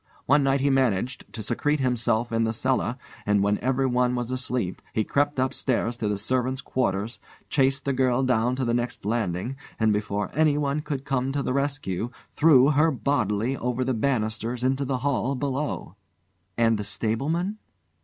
One night he managed to secrete himself in the cellar, and when everyone was asleep, he crept upstairs to the servants' quarters, chased the girl down to the next landing, and before anyone could come to the rescue threw her bodily over the banisters into the hall below." "And the stableman